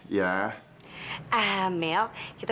ya aku juga